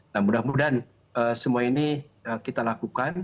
nah mudah mudahan semua ini kita lakukan